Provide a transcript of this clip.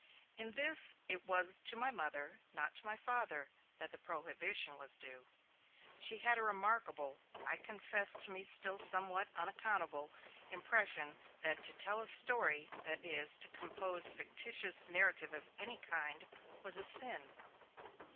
In this it was to my Mother, not to my Father, that the prohibition was due. She had a remarkable, I confess to me still somewhat unaccountable impression that to 'tell a story', that is, to compose fictitious narrative of any kind, was a sin.